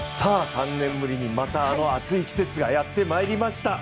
３年ぶりに、また、あの熱い季節がやってまいりました。